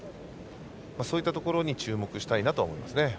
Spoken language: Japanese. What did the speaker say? そういったところに注目したいなと思います。